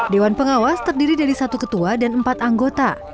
dewan pengawas terdiri dari satu ketua dan empat anggota